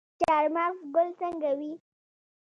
د چهارمغز ګل څنګه وي؟